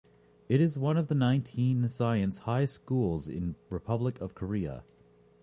It is one of the nineteen science high schools in Republic of Korea.